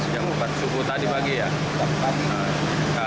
jam empat subuh tadi pagi ya